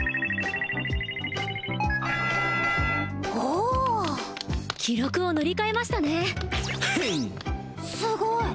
おお記録を塗り替えましたねへっ！